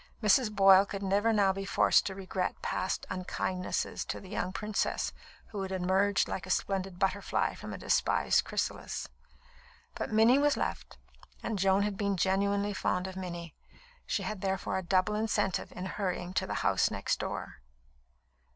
Mrs. Boyle could never now be forced to regret past unkindnesses to the young princess who had emerged like a splendid butterfly from a despised chrysalis; but Minnie was left, and Joan had been genuinely fond of Minnie. She had therefore a double incentive in hurrying to the house next door.